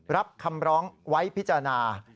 รับคำร้องไว้พิจารณา